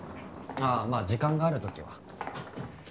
ああまあ時間があるときは。